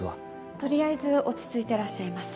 取りあえず落ち着いてらっしゃいます。